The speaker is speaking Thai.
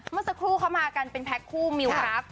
เมื่อสักครู่เขามากันเป็นแพ็คคู่มิวครับ